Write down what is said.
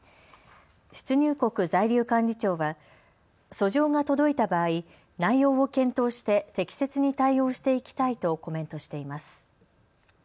出入国在留管理庁は訴状が届いた場合、内容を検討して適切に対応していきたいとコメントしています。